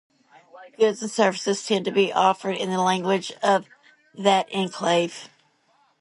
Goods and services tend to be offered in the language of that enclave.